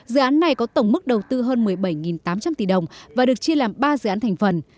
dự án này có tổng mức đầu tư hơn một mươi bảy tám trăm linh tỷ đồng và được chia làm ba dự án thành phần